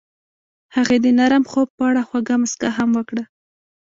هغې د نرم خوب په اړه خوږه موسکا هم وکړه.